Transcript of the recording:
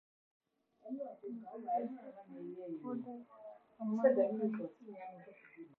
He is the second oldest among them.